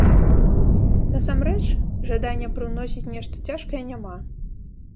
Насамрэч, жадання прыўносіць нешта цяжкае няма.